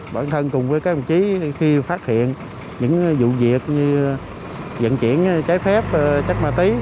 bản thân cùng với các đồng chí khi phát hiện những vụ việc như dẫn chuyển trái phép chất ma túy